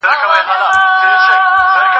زه انځور نه ګورم.